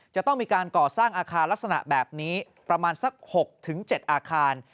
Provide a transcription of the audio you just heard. จะต้องมีการก่อสร้างอาคารลักษณะแบบนี้ประมาณสัก๖๗อาคาร